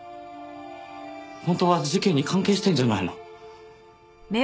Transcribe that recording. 本当は事件に関係してるんじゃないの？